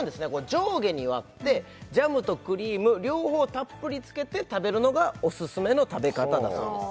上下に割ってジャムとクリーム両方たっぷりつけて食べるのがおすすめの食べ方だそうです